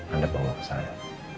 anda bawa ke saya